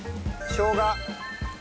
しょうが。